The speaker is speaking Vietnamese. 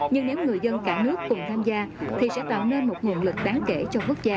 nhưng nếu người dân cả nước cùng tham gia thì sẽ tạo nên một nguồn lực đáng kể cho quốc gia